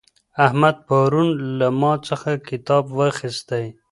احمد پرون له ما څخه کتاب واخیستی.